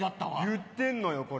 言ってんのよこれ。